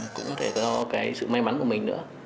cũng có thể do cái sự may mắn của mình nữa